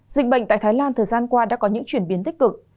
dịch bệnh tại thái lan thời gian qua đã có những chuyển biến tích cực